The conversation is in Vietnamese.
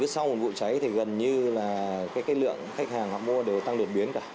sau một vụ cháy gần như lượng khách hàng đã tăng lượt biến cả